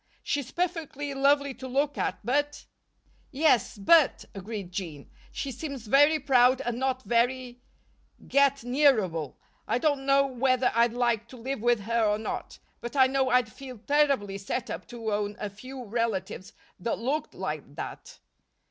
She's perfectly lovely to look at, but " "Yes, 'but,'" agreed Jean. "She seems very proud and not very get nearable. I don't know whether I'd like to live with her or not; but I know I'd feel terribly set up to own a few relatives that looked like that."